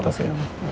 oh ok sama badannya